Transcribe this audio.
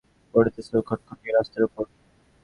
পড়েছেও খটখটে রাস্তার ওপর।